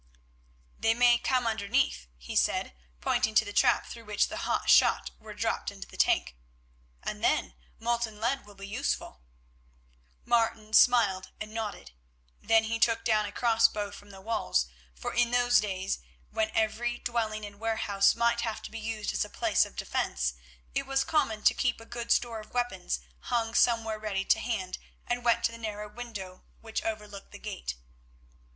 "They may come underneath," he said, pointing to the trap through which the hot shot were dropped into the tank, "and then molten lead will be useful." Martin smiled and nodded. Then he took down a crossbow from the walls, for in those days, when every dwelling and warehouse might have to be used as a place of defence, it was common to keep a good store of weapons hung somewhere ready to hand, and went to the narrow window which overlooked the gate.